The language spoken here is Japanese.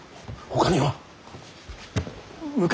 ほかには。